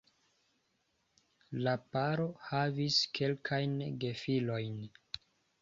La paro havis kelkajn gefilojn.